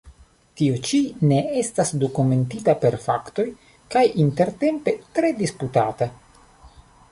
Tio ĉi ne estas dokumentita per faktoj kaj intertempe tre disputata.